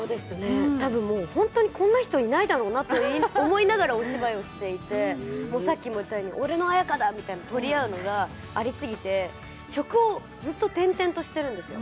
多分、本当にこんな人いないだろうなと思いながらお芝居をしていて俺の綾華だ！みたいに取り合うのがありすぎて、職をずっと転々としているんですよ。